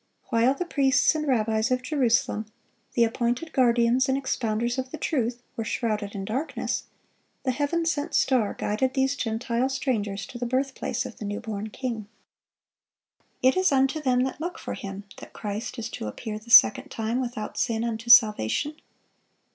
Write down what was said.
While the priests and rabbis of Jerusalem, the appointed guardians and expounders of the truth, were shrouded in darkness, the Heaven sent star guided these Gentile strangers to the birthplace of the new born King. It is "unto them that look for Him" that Christ is to "appear the second time without sin unto salvation."